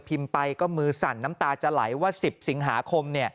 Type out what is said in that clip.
ไปก็มือสั่นน้ำตาจะไหลว่า๑๐สิงหาคม